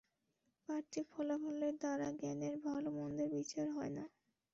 পার্থিব ফলাফলের দ্বারা জ্ঞানের ভাল-মন্দের বিচার হয় না।